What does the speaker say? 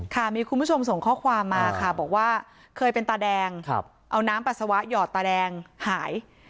มีคุณผู้ชมส่งข้อความมาค่ะบอกว่าเคยเป็นตาแดงเอาน้ำปัสสาวะหยอดตาแดงหาย